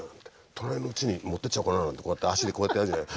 隣のうちに持ってっちゃおうかななんてこうやって足でこうやってやるじゃない。